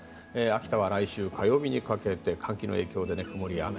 秋田は来週火曜日にかけて寒気の影響で曇りや雨。